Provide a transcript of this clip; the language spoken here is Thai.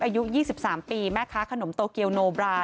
อายุ๒๓ปีแม่ค้าขนมโตเกียวโนบรา